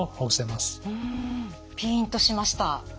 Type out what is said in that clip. うんピンとしました。